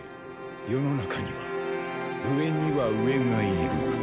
世の中には上には上がいる。